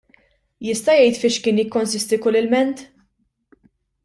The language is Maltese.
Jista' jgħid fiex kien jikkonsisti kull ilment?